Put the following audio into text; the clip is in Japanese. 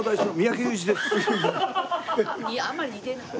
あんまり似てない。